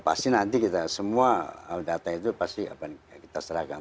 pasti nanti kita semua data itu pasti akan kita serahkan